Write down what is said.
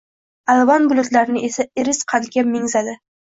Alvon bulutlarni esa iris qandga mengzadi.